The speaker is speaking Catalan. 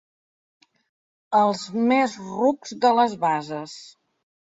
Els més rucs de les bases.